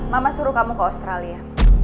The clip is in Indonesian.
mama suruh kamu ke australia